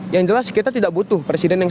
yang jelas kita tidak butuh presiden yang